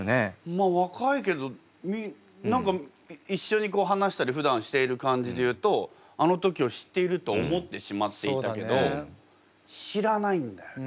まあ若いけど何か一緒に話したりふだんしている感じでいうとあの時を知っていると思ってしまっていたけど知らないんだよね。